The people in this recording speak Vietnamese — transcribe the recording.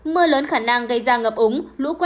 mưa lớn khả năng gây ra ngập ống